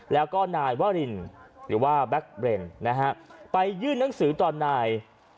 แล้วก็นายวรินหรือว่าแบ็คเบรนด์นะฮะไปยื่นหนังสือต่อนาย